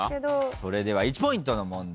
それでは１ポイントの問題